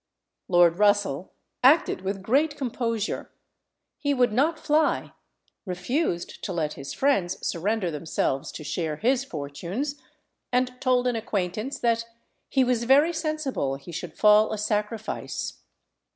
Lord Russell acted with great composure. He would not fly, refused to let his friends surrender themselves to share his fortunes, and told an acquaintance that "he was very sensible he should fall a sacrifice."